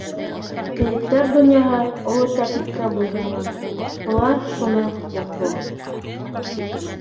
Кейектәр донъяһы Оло Тәртипкә буйһонған - былар шуны боҙҙо.